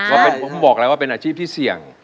เพราะผมบอกแล้วว่าเป็นอาชีพที่เสี่ยง